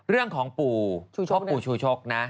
เรื่องของปู่ชู่ชก